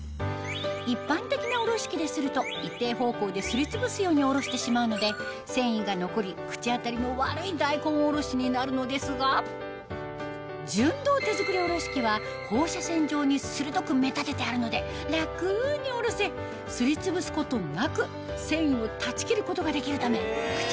一般的なおろし器ですると一定方向ですりつぶすようにおろしてしまうので繊維が残り口当たりの悪い大根おろしになるのですが純銅手造りおろし器は放射線状に鋭く目立ててあるので楽におろせすりつぶすことなく繊維を断ち切ることができるため口